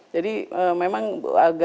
jadi memang agak berbahaya